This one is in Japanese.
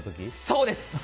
そうです！